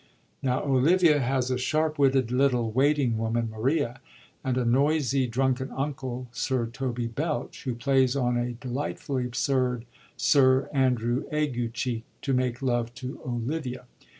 Now, Olivia has a sharp witted little waiting woman, Maria, and a noisy drunken uncle. Sir Toby Belch, who plays on a delightfully absurd Sir Andrew Aguecheek to make love to Olivia.